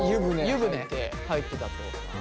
湯船入ってたってことかな。